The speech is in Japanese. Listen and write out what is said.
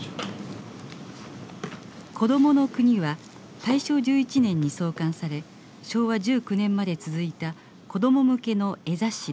「コドモノクニ」は大正１１年に創刊され昭和１９年まで続いた子ども向けの絵雑誌でした。